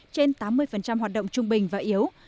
trên tám mươi hoạt động trung bình và yếu